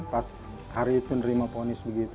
pas hari itu nerima ponis begitu